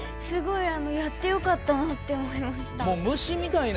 すごいやってよかったなって思いました。